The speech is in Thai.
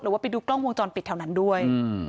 ว่าไปดูกล้องวงจรปิดแถวนั้นด้วย